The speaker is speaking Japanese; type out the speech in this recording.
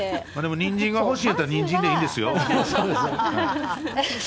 ニンジンが欲しいとニンジンでいいんですよ。